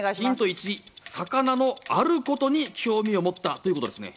魚のあることに興味を持ったということですね。